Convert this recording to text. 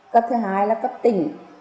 cấp thứ hai là cấp tỉnh